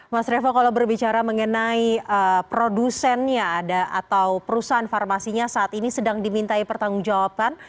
mas revo kalau berbicara mengenai produsennya atau perusahaan farmasinya saat ini sedang dimintai pertanggung jawaban